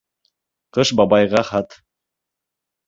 ҠЫШ БАБАЙГА ХАТ